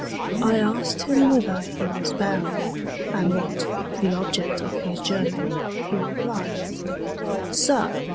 —I asked him whither he was bound, and what The object of his journey; he replied "Sir!